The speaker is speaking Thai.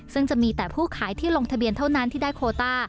ซึ่งจะมีแต่ผู้ขายที่ลงทะเบียนเท่านั้นที่ได้โคต้า